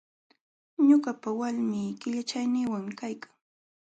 Ñuqapa walmi killachayninwanmi kaykan.